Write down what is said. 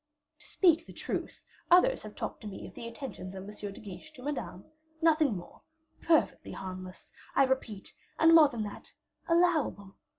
"To speak the truth, others have talked to me of the attentions of M. de Guiche to Madame, nothing more; perfectly harmless, I repeat, and more than that, allowable.